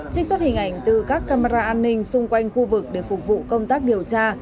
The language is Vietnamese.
trích xuất hình ảnh từ các camera an ninh xung quanh khu vực để phục vụ công tác điều tra